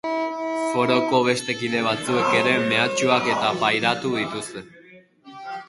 Foroko beste kide batzuek ere mehatxuak-eta pairatu dituzte.